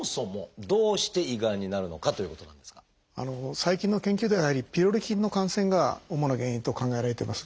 最近の研究ではピロリ菌の感染が主な原因と考えられています。